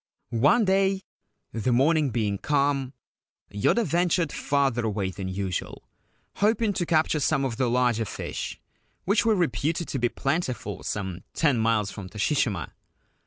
One day, the morning being calm, Yoda ventured farther away than usual, hoping to capture some of the larger fish which were reputed to be plentiful some ten miles from Toshishima.